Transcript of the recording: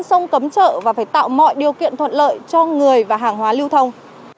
sông cấm chợ và phải tạo mọi điều kiện thuận lợi cho người và hàng hóa lưu thông